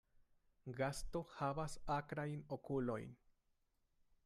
Gasto havas akrajn okulojn.